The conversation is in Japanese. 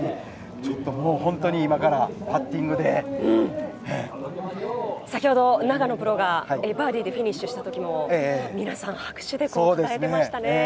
ちょっともう本当に今から、パッティングで先ほど永野プロがバーディーでフィニッシュしたときも、皆さん、拍手で迎えてましたね。